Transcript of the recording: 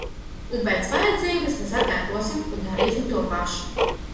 Un pēc vajadzības mēs atkārtosim un darīsim to pašu.